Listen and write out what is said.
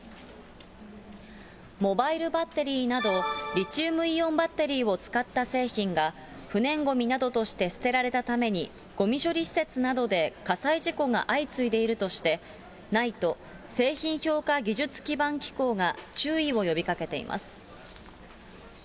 モバイルバッテリーなど、リチウムイオンバッテリーを使った製品が、不燃ごみなどとして捨てられたために、ごみ処理施設などで火災事故が相次いでいるとして、ＮＩＴＥ・製品評価技術基盤機構が注意を呼びかけています。